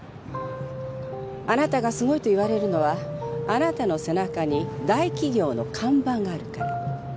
あなたがすごいと言われるのはあなたの背中に大企業の看板があるから。